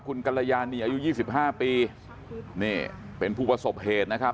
คุณกรยานีอายุ๒๕ปีเป็นผู้ประสบเหตุนะครับ